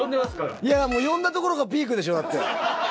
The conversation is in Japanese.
いや、もう呼んだところがピークでしょ、だって。